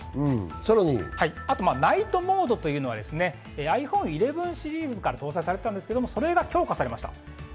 さらにナイトモードというのはｉＰｈｏｎｅ１１シリーズから搭載されていたんですけれども強化されました。